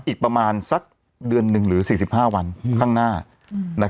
อีกประมาณสักเดือนหนึ่งหรือสี่สิบห้าวันข้างหน้าอืมนะครับ